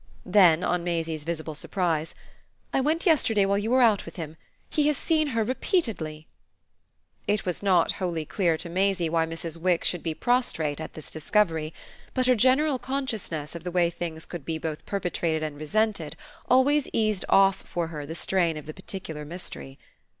Then on Maisie's visible surprise: "I went yesterday while you were out with him. He has seen her repeatedly." It was not wholly clear to Maisie why Mrs. Wix should be prostrate at this discovery; but her general consciousness of the way things could be both perpetrated and resented always eased off for her the strain of the particular mystery.